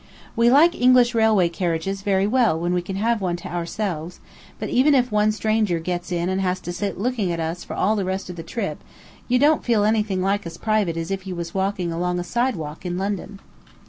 We like English railway carriages very well when we can have one to ourselves, but if even one stranger gets in and has to sit looking at us for all the rest of the trip you don't feel anything like as private as if you was walking along a sidewalk in London.